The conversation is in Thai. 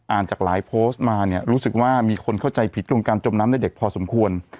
จากหลายโพสต์มาเนี่ยรู้สึกว่ามีคนเข้าใจผิดตรงการจมน้ำในเด็กพอสมควร